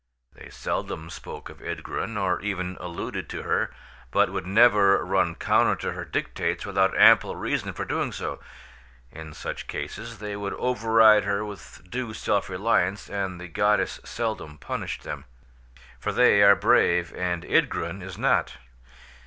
They seldom spoke of Ydgrun, or even alluded to her, but would never run counter to her dictates without ample reason for doing so: in such cases they would override her with due self reliance, and the goddess seldom punished them; for they are brave, and Ydgrun is not.